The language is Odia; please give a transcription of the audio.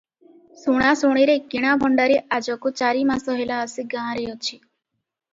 ଶୁଣାଶୁଣିରେ କିଣା ଭଣ୍ଡାରି ଆଜକୁ ଚାରିମାସ ହେଲା ଆସି ଗାଁଆରେ ଅଛି ।